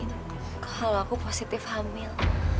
aku mau kabarin kalau aku positif hamil